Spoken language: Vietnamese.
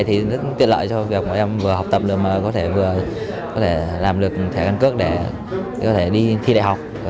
thì rất tiện lợi cho việc mà em vừa học tập được mà có thể vừa làm được thẻ căn cước để đi thi đại học